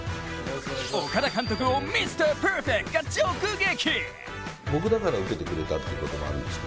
岡田監督をミスターパーフェクトが直撃。